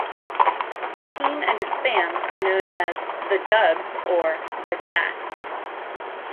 The team and its fans are known as "The Dubs" or "The Jacks".